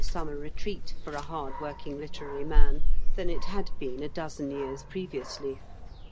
259 summer retreat for a hard working Uterary man than it had been a dozen years pre viously.